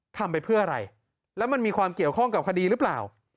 ทำไปเพื่ออะไรแล้วมันมีความเกี่ยวข้องกับคดีหรือเปล่า